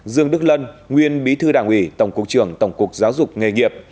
dương đức lân nguyên bí thư đảng ủy tổng cục trưởng tổng cục giáo dục nghề nghiệp